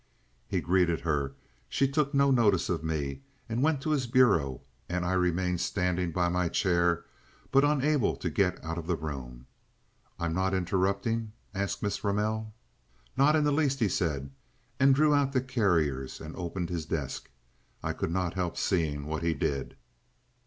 He greeted her—she took no notice of me—and went to his bureau, and I remained standing by my chair but unable to get out of the room. "I'm not interrupting?" asked Miss Ramell. "Not in the least," he said; drew out the carriers and opened his desk. I could not help seeing what he did.